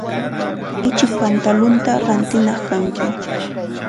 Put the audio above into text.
Ichik pantalunta rintinaq kanki.